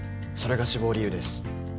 それが志望理由です。